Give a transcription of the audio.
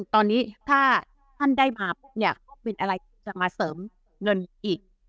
ตอนนี้ถ้าท่านได้มาเนี่ยเป็นอะไรจะมาเสริมเงินอีก